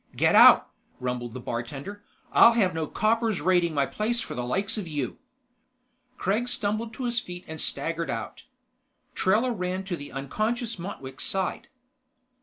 "Get out!" rumbled the bartender. "I'll have no coppers raiding my place for the likes of you!" Kregg stumbled to his feet and staggered out. Trella ran to the unconscious Motwick's side.